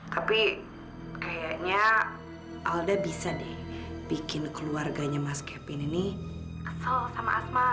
tapi kayaknya alda bisa deh bikin keluarganya mas kevin ini kesel sama asma